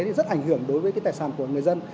rất ảnh hưởng đối với tài sản của người dân